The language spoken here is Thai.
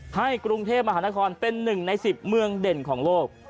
กรุงเทพมหานครเป็น๑ใน๑๐เมืองเด่นของโลก